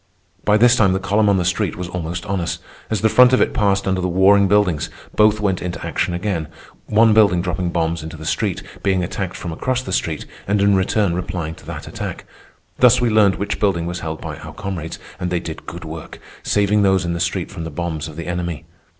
By this time the column on the street was almost on us. As the front of it passed under the warring buildings, both went into action again—one building dropping bombs into the street, being attacked from across the street, and in return replying to that attack. Thus we learned which building was held by our comrades, and they did good work, saving those in the street from the bombs of the enemy.